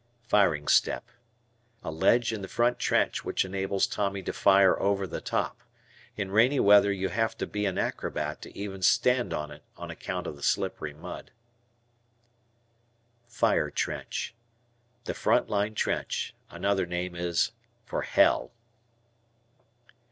Firing Step. A ledge in the front trench which enables Tommy to fire "over the top." In rainy weather you have to be an acrobat to even stand on it on account of the slippery mud. Fire Trench. The front line trench. Another name is for Hell.